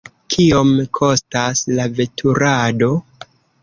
Kiom kostas la veturado?